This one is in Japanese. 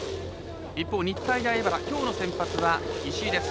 一方日体大荏原きょうの先発は石井です。